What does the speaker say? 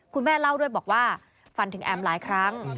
คุณแม่เล่าด้วยบอกว่าฝันถึงแอมหลายครั้ง